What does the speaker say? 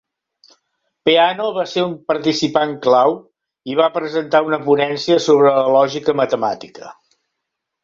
Peano va ser un participant clau, i va presentar una ponència sobre la lògica matemàtica.